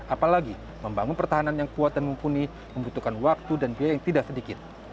apalagi membangun pertahanan yang kuat dan mumpuni membutuhkan waktu dan biaya yang tidak sedikit